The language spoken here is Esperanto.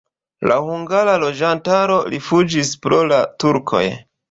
La hungara loĝantaro rifuĝis pro la turkoj.